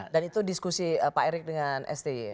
dan itu diskusi pak erick dengan sti